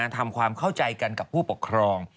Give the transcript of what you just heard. ทำความเข้าใจกันกับผู้ปกครอง